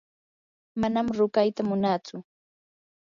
manam ruqayta munatsu.